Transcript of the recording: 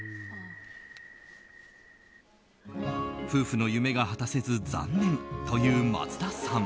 夫婦の夢が果たせず残念という松田さん。